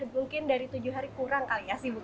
mungkin dari tujuh hari kurang kali ya sibuk